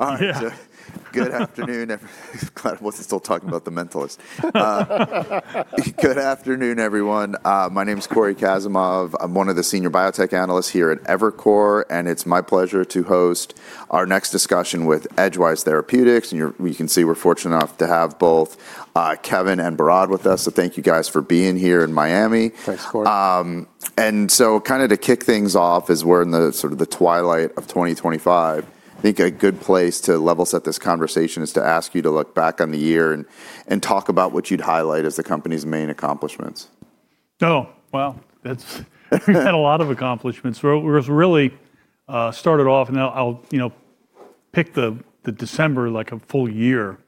Yeah. All right. Good afternoon, everyone. Glad I wasn't still talking about the mentalist. Good afternoon, everyone. My name is Cory Kasimov. I'm one of the senior biotech analysts here at Evercore, and it's my pleasure to host our next discussion with Edgewise Therapeutics. And you can see we're fortunate enough to have both Kevin and Behrad with us. So thank you guys for being here in Miami. Thanks, Cory. And so, kind of to kick things off, as we're in the sort of twilight of 2025, I think a good place to level set this conversation is to ask you to look back on the year and talk about what you'd highlight as the company's main accomplishments. We've had a lot of accomplishments. It was really started off, and I'll pick the December, like a full year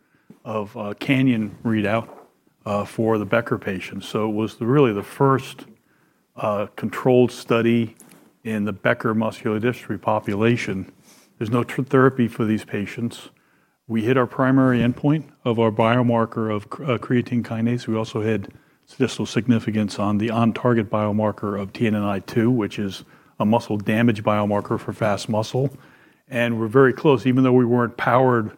of CANYON readout for the Becker patients. It was really the first controlled study in the Becker muscular dystrophy population. There's no therapy for these patients. We hit our primary endpoint of our biomarker of creatine kinase. We also had statistical significance on the on-target biomarker of TNNI2, which is a muscle damage biomarker for fast muscle. We're very close, even though we weren't powered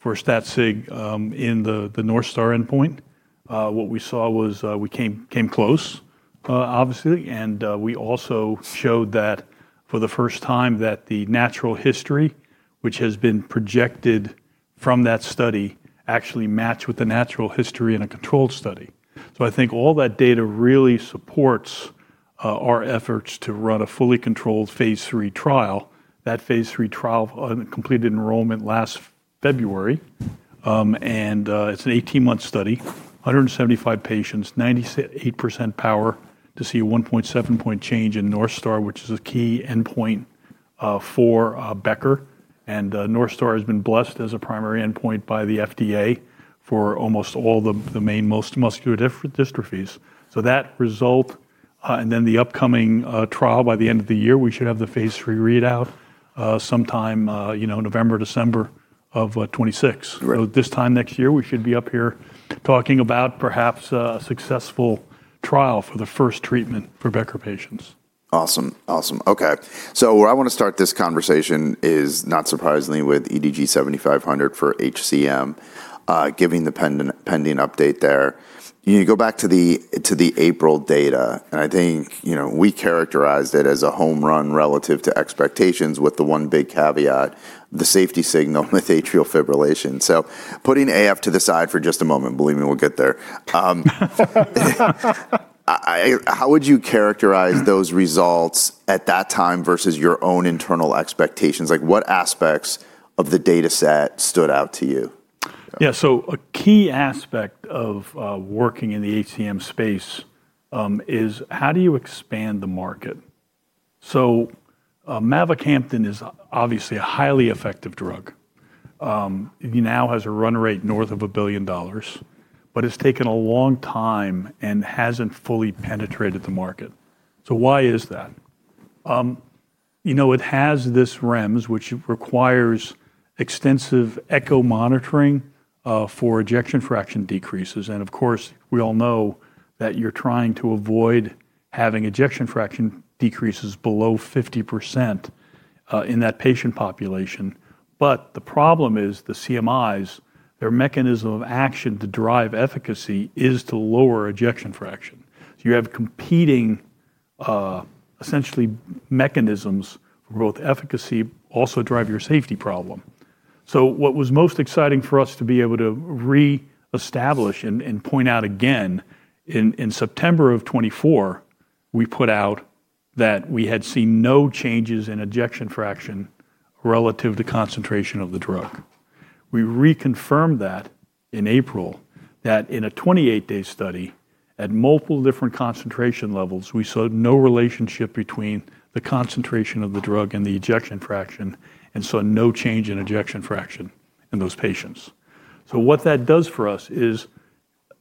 for StatSig in the North Star endpoint. What we saw was we came close, obviously. We also showed that for the first time that the natural history, which has been projected from that study, actually matched with the natural history in a controlled study. I think all that data really supports our efforts to run a fully controlled phase three trial. That phase three trial completed enrollment last February, and it's an 18-month study, 175 patients, 98% power to see a 1.7-point change in North Star, which is a key endpoint for Becker, and North Star has been blessed as a primary endpoint by the FDA for almost all the main muscular dystrophies, so that result, and then the upcoming trial by the end of the year, we should have the phase three readout sometime November, December of 2026, so this time next year, we should be up here talking about perhaps a successful trial for the first treatment for Becker patients. Awesome. Awesome. Okay. So where I want to start this conversation is, not surprisingly, with EDG 7500 for HCM, giving the pending update there. You go back to the April data, and I think we characterized it as a home run relative to expectations with the one big caveat, the safety signal with atrial fibrillation. So putting AF to the side for just a moment, believe me, we'll get there. How would you characterize those results at that time versus your own internal expectations? What aspects of the data set stood out to you? Yeah. So a key aspect of working in the HCM space is how do you expand the market? So Mavocamten is obviously a highly effective drug. It now has a run rate north of $1 billion, but it's taken a long time and hasn't fully penetrated the market. So why is that? You know, it has this REMS, which requires extensive echo monitoring for ejection fraction decreases. And of course, we all know that you're trying to avoid having ejection fraction decreases below 50% in that patient population. But the problem is the CMIs, their mechanism of action to drive efficacy is to lower ejection fraction. So you have competing essentially mechanisms for both efficacy and also drive your safety problem. So what was most exciting for us to be able to re-establish and point out again, in September of 2024, we put out that we had seen no changes in ejection fraction relative to concentration of the drug. We reconfirmed that in April, that in a 28-day study at multiple different concentration levels, we saw no relationship between the concentration of the drug and the ejection fraction and saw no change in ejection fraction in those patients. So what that does for us is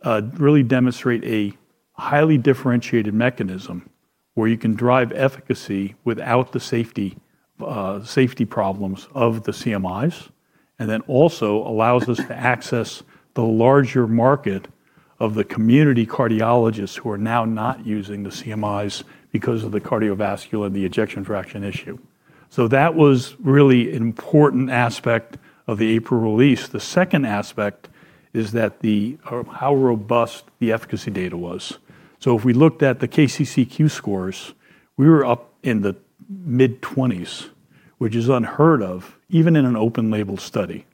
really demonstrate a highly differentiated mechanism where you can drive efficacy without the safety problems of the CMIs and then also allows us to access the larger market of the community cardiologists who are now not using the CMIs because of the cardiovascular and the ejection fraction issue. So that was really an important aspect of the April release. The second aspect is how robust the efficacy data was. So if we looked at the KCCQ scores, we were up in the mid-20s, which is unheard of, even in an open-label study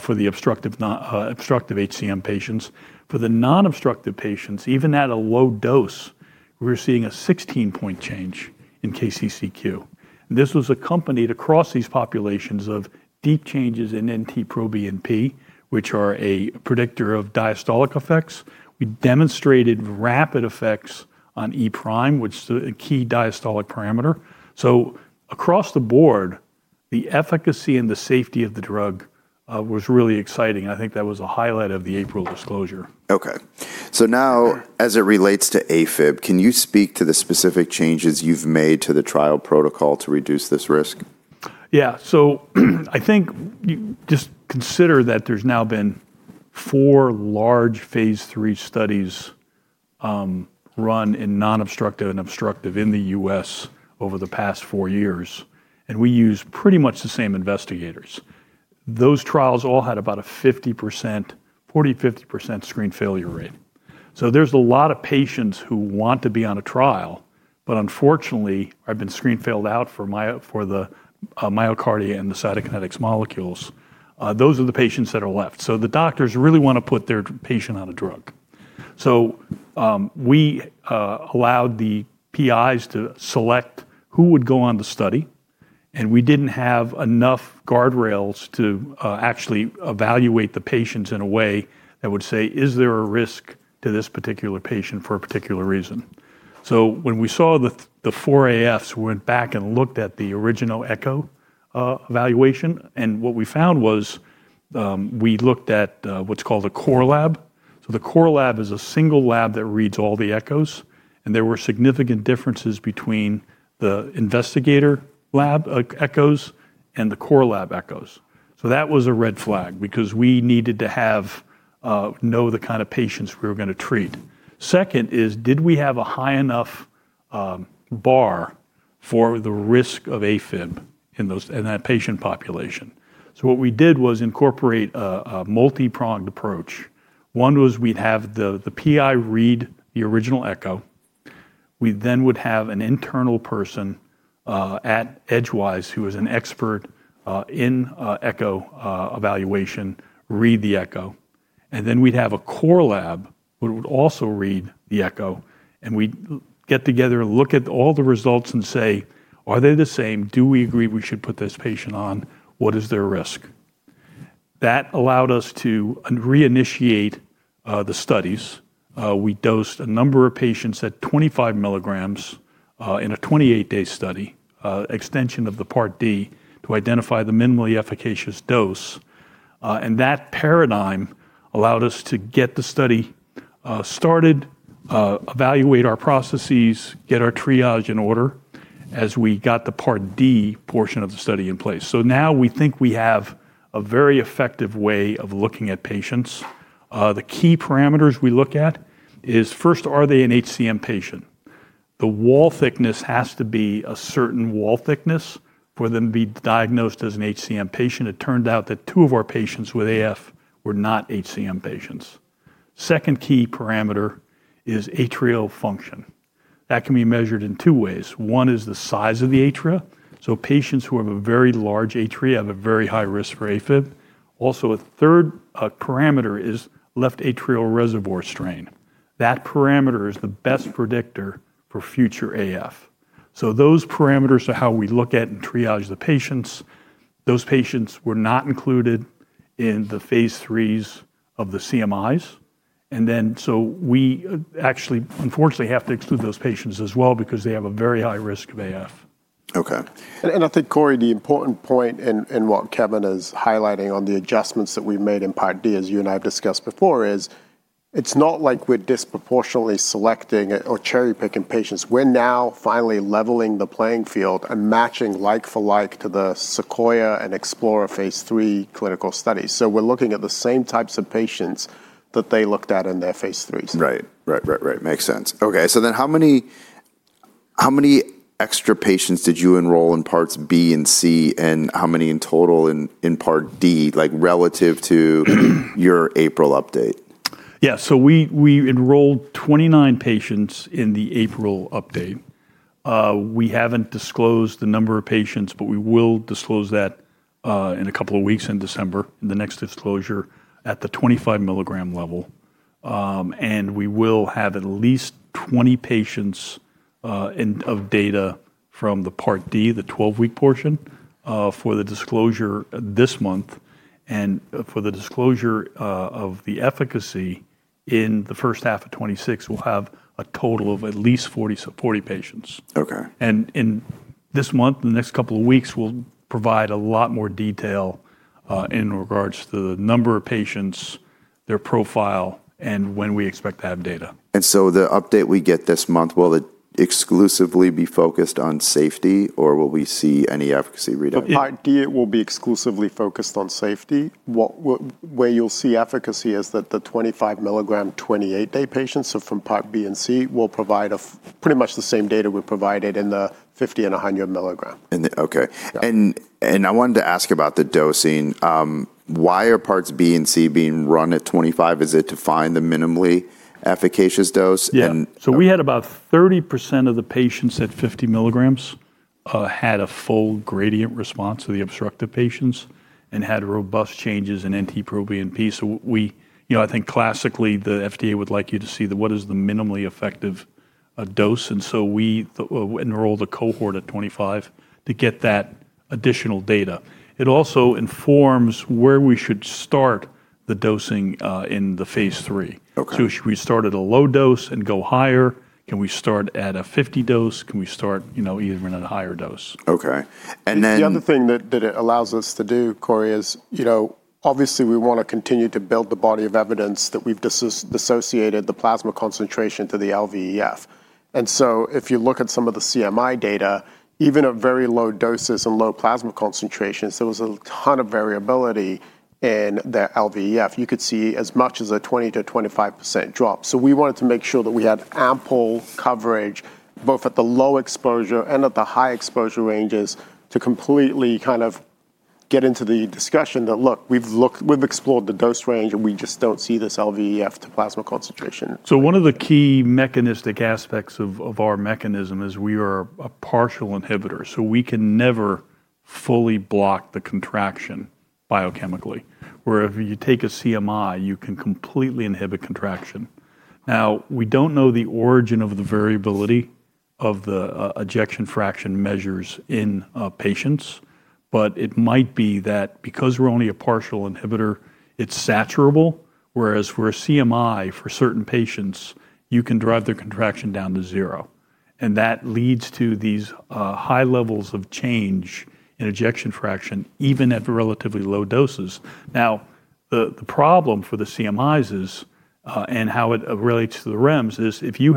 for the obstructive HCM patients. For the non-obstructive patients, even at a low dose, we were seeing a 16-point change in KCCQ. This was accompanied across these populations of deep changes in NT-proBNP, which are a predictor of diastolic effects. We demonstrated rapid effects on E-prime, which is a key diastolic parameter. So across the board, the efficacy and the safety of the drug was really exciting. I think that was a highlight of the April disclosure. Okay. So now, as it relates to AFib, can you speak to the specific changes you've made to the trial protocol to reduce this risk? Yeah. So I think just consider that there's now been four large phase 3 studies run in non-obstructive and obstructive in the U.S. over the past four years, and we use pretty much the same investigators. Those trials all had about a 40% screen failure rate. So there's a lot of patients who want to be on a trial, but unfortunately, I've been screen failed out for the MyoKardia and the Cytokinetics molecules. Those are the patients that are left. So the doctors really want to put their patient on a drug. So we allowed the PIs to select who would go on the study, and we didn't have enough guardrails to actually evaluate the patients in a way that would say, is there a risk to this particular patient for a particular reason? When we saw the four AFs, we went back and looked at the original echo evaluation, and what we found was we looked at what's called a core lab. The core lab is a single lab that reads all the echoes, and there were significant differences between the investigator lab echoes and the core lab echoes. That was a red flag because we needed to know the kind of patients we were going to treat. Second is, did we have a high enough bar for the risk of AFib in that patient population? What we did was incorporate a multi-pronged approach. One was we'd have the PI read the original echo. We then would have an internal person at Edgewise who is an expert in echo evaluation read the echo. Then we'd have a core lab who would also read the echo, and we'd get together, look at all the results and say, are they the same? Do we agree we should put this patient on? What is their risk? That allowed us to reinitiate the studies. We dosed a number of patients at 25 mg in a 28-day study, extension of the part D to identify the minimally efficacious dose. That paradigm allowed us to get the study started, evaluate our processes, get our triage in order as we got the part D portion of the study in place. Now we think we have a very effective way of looking at patients. The key parameters we look at is first, are they an HCM patient? The wall thickness has to be a certain wall thickness for them to be diagnosed as an HCM patient. It turned out that two of our patients with AF were not HCM patients. Second key parameter is atrial function. That can be measured in two ways. One is the size of the atria. So patients who have a very large atria have a very high risk for AFib. Also, a third parameter is left atrial reservoir strain. That parameter is the best predictor for future AF. So those parameters are how we look at and triage the patients. Those patients were not included in the phase threes of the CMIs, and then so we actually, unfortunately, have to exclude those patients as well because they have a very high risk of AF. Okay. And I think, Cory, the important point in what Kevin is highlighting on the adjustments that we've made in part D, as you and I have discussed before, is it's not like we're disproportionately selecting or cherry-picking patients. We're now finally leveling the playing field and matching like-for-like to the SEQUOIA and EXPLORER phase three clinical studies. So we're looking at the same types of patients that they looked at in their phase threes. Right. Right, right, right. Makes sense. Okay. So then how many extra patients did you enroll in parts B and C, and how many in total in part D, like relative to your April update? Yeah. So we enrolled 29 patients in the April update. We haven't disclosed the number of patients, but we will disclose that in a couple of weeks in December, the next disclosure at the 25 mg level. And we will have at least 20 patients of data from the part D, the 12-week portion for the disclosure this month. And for the disclosure of the efficacy in the first half of 2026, we'll have a total of at least 40 patients. And in this month and the next couple of weeks, we'll provide a lot more detail in regards to the number of patients, their profile, and when we expect to have data. And so the update we get this month, will it exclusively be focused on safety, or will we see any efficacy readout? Part D will be exclusively focused on safety. Where you'll see efficacy is that the 25 mg, 28-day patients, so from part B and C, will provide pretty much the same data we provided in the 50 and 100 mg. Okay. I wanted to ask about the dosing. Why are parts B and C being run at 25? Is it to find the minimally efficacious dose? Yeah. So we had about 30% of the patients at 50 mg had a full gradient response to the obstructive patients and had robust changes in NT-proBNP. So I think classically, the FDA would like you to see what is the minimally effective dose. And so we enrolled a cohort at 25 to get that additional data. It also informs where we should start the dosing in the phase three. So should we start at a low dose and go higher? Can we start at a 50 dose? Can we start even at a higher dose? Okay. And then. The other thing that it allows us to do, Cory, is obviously we want to continue to build the body of evidence that we've dissociated the plasma concentration to the LVEF. And so if you look at some of the CMI data, even at very low doses and low plasma concentrations, there was a ton of variability in the LVEF. You could see as much as a 20%-25% drop. So we wanted to make sure that we had ample coverage both at the low exposure and at the high exposure ranges to completely kind of get into the discussion that, look, we've explored the dose range and we just don't see this LVEF to plasma concentration. So one of the key mechanistic aspects of our mechanism is we are a partial inhibitor. So we can never fully block the contraction biochemically. Where if you take a CMI, you can completely inhibit contraction. Now, we don't know the origin of the variability of the ejection fraction measures in patients, but it might be that because we're only a partial inhibitor, it's saturable, whereas for a CMI, for certain patients, you can drive their contraction down to zero. And that leads to these high levels of change in ejection fraction even at relatively low doses. Now, the problem for the CMIs and how it relates to the REMS is if you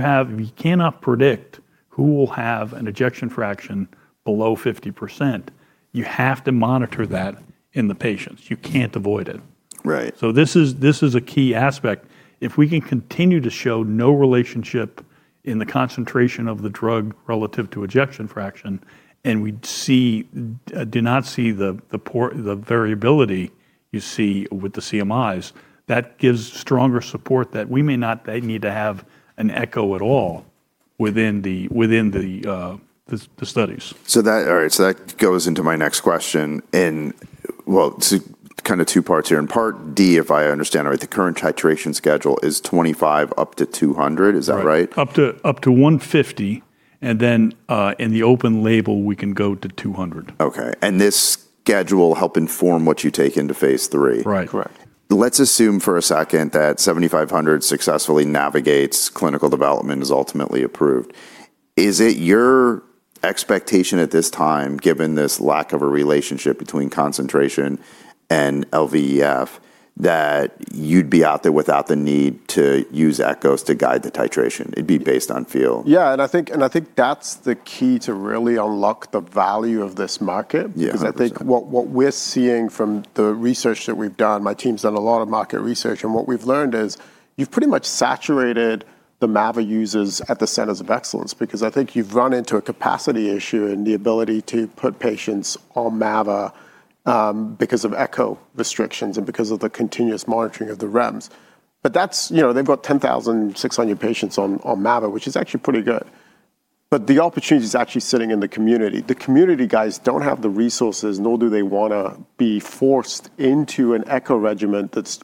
cannot predict who will have an ejection fraction below 50%, you have to monitor that in the patients. You can't avoid it. So this is a key aspect. If we can continue to show no relationship in the concentration of the drug relative to ejection fraction, and we do not see the variability you see with the CMIs, that gives stronger support that we may not need to have an echo at all within the studies. So that goes into my next question. And well, kind of two parts here. In part D, if I understand right, the current titration schedule is 25 up to 200. Is that right? Right. Up to 150, and then in the open label, we can go to 200. Okay, and this schedule will help inform what you take into phase three. Right. Correct. Let's assume for a second that 7500 successfully navigates clinical development, is ultimately approved. Is it your expectation at this time, given this lack of a relationship between concentration and LVEF, that you'd be out there without the need to use echoes to guide the titration? It'd be based on feel. Yeah, and I think that's the key to really unlock the value of this market. Because I think what we're seeing from the research that we've done, my team's done a lot of market research, and what we've learned is you've pretty much saturated the MAVA users at the centers of excellence because I think you've run into a capacity issue in the ability to put patients on MAVA because of echo restrictions and because of the continuous monitoring of the REMS, but they've got 10,600 patients on MAVA, which is actually pretty good, but the opportunity is actually sitting in the community. The community guys don't have the resources, nor do they want to be forced into an echo regimen that's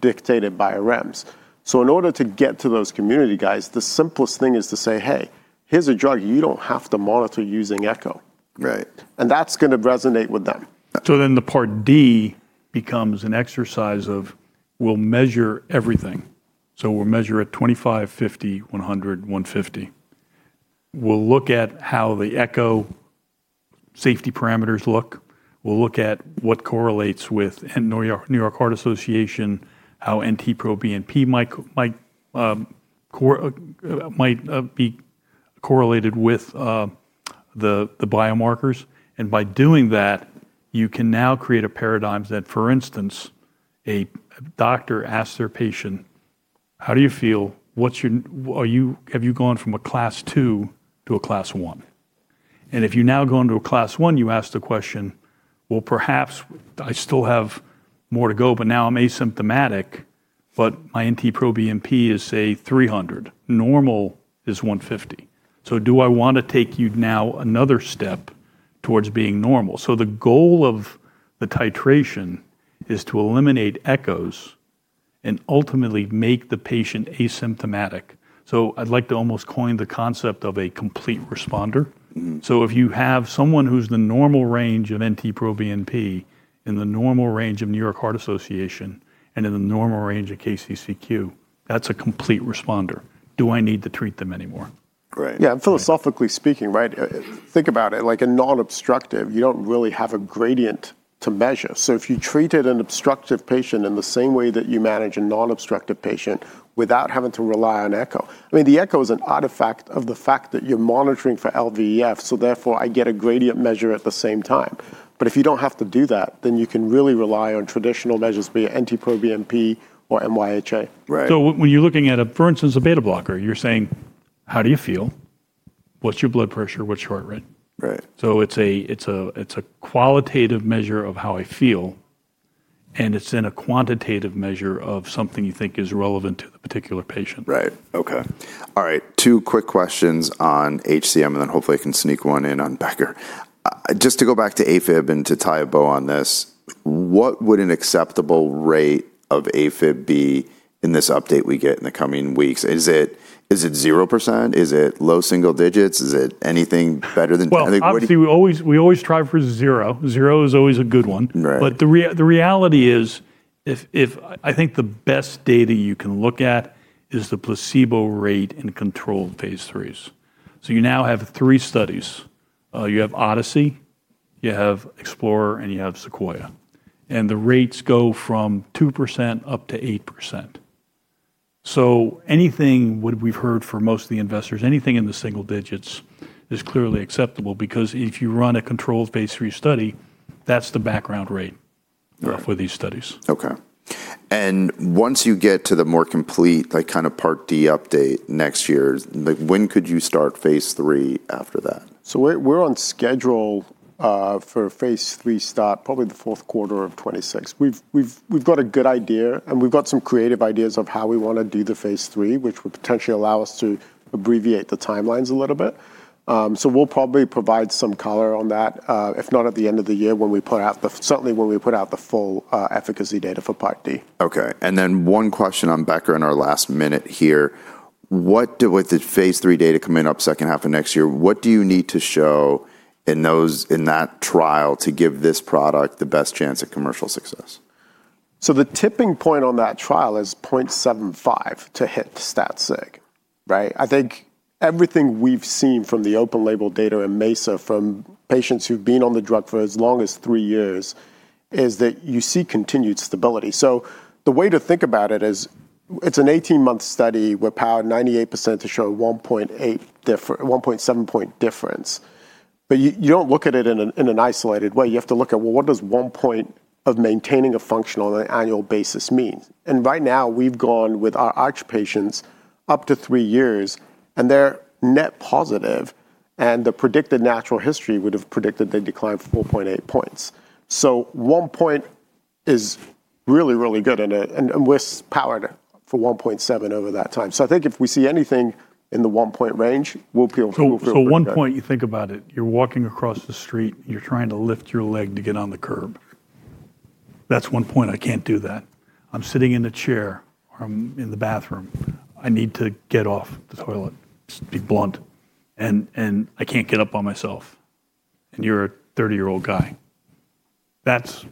dictated by REMS. So in order to get to those community guys, the simplest thing is to say, "Hey, here's a drug you don't have to monitor using echo," and that's going to resonate with them, so then the part D becomes an exercise of, we'll measure everything, so we'll measure at 25, 50, 100, 150. We'll look at how the echo safety parameters look. We'll look at what correlates with New York Heart Association, how NT-proBNP might be correlated with the biomarkers, and by doing that, you can now create a paradigm that, for instance, a doctor asks their patient, "How do you feel? Have you gone from a class two to a class one?" and if you now go into a class one, you ask the question, "Well, perhaps I still have more to go, but now I'm asymptomatic, but my NT-proBNP is, say, 300." Normal is 150. So do I want to take you now another step towards being normal?" So the goal of the titration is to eliminate echoes and ultimately make the patient asymptomatic. So I'd like to almost coin the concept of a complete responder. So if you have someone who's the normal range of NT-proBNP in the normal range of New York Heart Association and in the normal range of KCCQ, that's a complete responder. Do I need to treat them anymore? Right. Yeah. And philosophically speaking, right, think about it like a non-obstructive. You don't really have a gradient to measure. So if you treated an obstructive patient in the same way that you manage a non-obstructive patient without having to rely on echo. I mean, the echo is an artifact of the fact that you're monitoring for LVEF, so therefore I get a gradient measure at the same time. But if you don't have to do that, then you can really rely on traditional measures be it NT-proBNP or NYHA. Right. When you're looking at, for instance, a beta-blocker, you're saying, "How do you feel? What's your blood pressure? What's your heart rate?" It's a qualitative measure of how I feel, and it's a quantitative measure of something you think is relevant to the particular patient. Right. Okay. All right. Two quick questions on HCM, and then hopefully I can sneak one in on Becker. Just to go back to AFib and to tie a bow on this, what would an acceptable rate of AFib be in this update we get in the coming weeks? Is it 0%? Is it low single digits? Is it anything better than? Actually, we always try for zero. Zero is always a good one. But the reality is, I think the best data you can look at is the placebo rate in controlled phase 3s. So you now have three studies. You have Odyssey, you have Explorer, and you have Sequoia. And the rates go from 2%-8%. So anything we've heard for most of the investors, anything in the single digits is clearly acceptable because if you run a controlled phase 3 study, that's the background rate for these studies. Okay. And once you get to the more complete kind of part D update next year, when could you start phase three after that? We're on schedule for phase 3 start probably the fourth quarter of 2026. We've got a good idea, and we've got some creative ideas of how we want to do the phase 3, which would potentially allow us to abbreviate the timelines a little bit. We'll probably provide some color on that, if not at the end of the year, certainly when we put out the full efficacy data for part D. Okay. And then one question on Becker in our last minute here. With the phase three data coming up second half of next year, what do you need to show in that trial to give this product the best chance at commercial success? The tipping point on that trial is 0.75 to hit stat-sig. Right? I think everything we've seen from the open label data in MESA from patients who've been on the drug for as long as three years is that you see continued stability. The way to think about it is it's an 18-month study with power 98% to show a 1.7-point difference. But you don't look at it in an isolated way. You have to look at, well, what does one point of maintaining a function on an annual basis mean? And right now, we've gone with our ARCH patients up to three years, and they're net positive, and the predicted natural history would have predicted they declined 4.8 points. So one point is really, really good, and we're powered for 1.7 over that time. So I think if we see anything in the one-point range, we'll be able to. So, one point you think about it: you're walking across the street, you're trying to lift your leg to get on the curb. That's one point I can't do that. I'm sitting in a chair or I'm in the bathroom. I need to get off the toilet, just to be blunt, and I can't get up by myself, and you're a 30-year-old guy. That's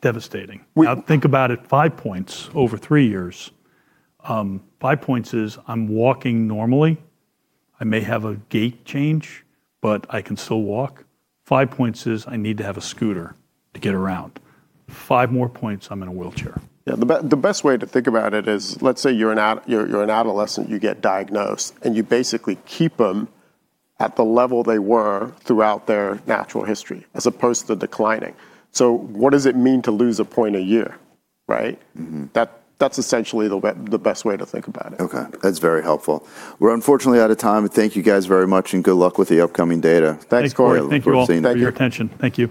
devastating. Now think about it, five points over three years. Five points is, I'm walking normally. I may have a gait change, but I can still walk. Five points is, I need to have a scooter to get around. Five more points, I'm in a wheelchair. Yeah. The best way to think about it is let's say you're an adolescent, you get diagnosed, and you basically keep them at the level they were throughout their natural history as opposed to declining. So what does it mean to lose a point a year? Right? That's essentially the best way to think about it. Okay. That's very helpful. We're unfortunately out of time. Thank you guys very much, and good luck with the upcoming data. Thanks, Cory. Thank you all for your attention. Thank you.